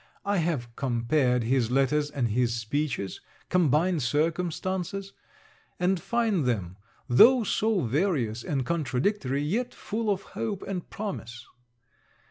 I have compared his letters and his speeches; combined circumstances; and find them, though so various and contradictory, yet full of hope and promise.